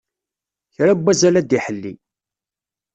Kra n wazal ad d-iḥelli.